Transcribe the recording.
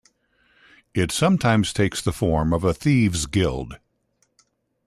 It sometimes takes the form of a thieves' guild.